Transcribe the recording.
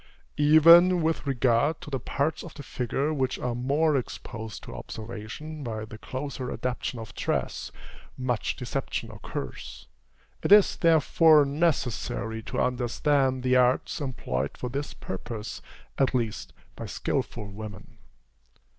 Even with regard to the parts of the figure which are more exposed to observation by the closer adaptation of dress, much deception occurs. It is, therefore, necessary to understand the arts employed for this purpose, at least by skilful women.